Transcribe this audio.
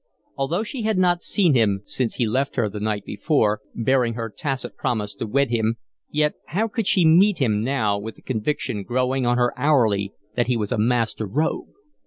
Although she had not seen him since he left her the night before, bearing her tacit promise to wed him, yet how could she meet him now with the conviction growing on her hourly that he was a master rogue?